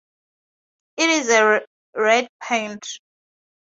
It is red paint.